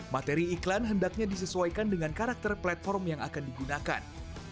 materi iklan hendaknya disesuaikan dengan karakter platform yang akan digunakan